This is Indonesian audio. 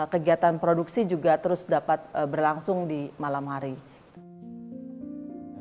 kegiatan produksi juga terus dapat berlangsung di malam hari